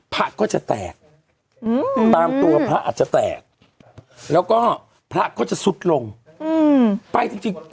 พระก็จะแตกตามตัวพระอาจจะแตกแล้วก็พระก็จะซุดลงไปจริง